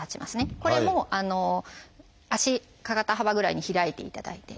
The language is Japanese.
これも足肩幅ぐらいに開いていただいて。